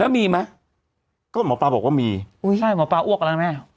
แล้วมีไหมก็หมอปลาบอกว่ามีอุ้ยใช่หมอปลาอ้วกแล้วนะแม่